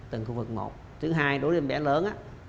từng khu vực một thứ hai đối với em bé lớn á